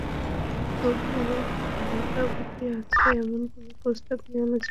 তবুও ভোটাভুটি আছে এমন কোনো প্রস্তাব নিয়ে আলোচনায় সরকার রাজি নয়।